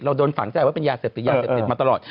โดนฝังใจว่าเป็นยาเสพติดยาเสพติดมาตลอด